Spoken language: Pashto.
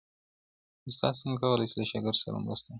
استاد څنګه کولای سي له شاګرد سره مرسته وکړي؟